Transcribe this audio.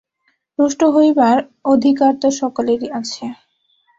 রুষ্ট হইবার অধিকার তো সকলেরই আছে।